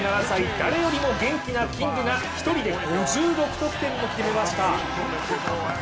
３７歳、誰よりも元気なキングが１人で５６得点も決めました。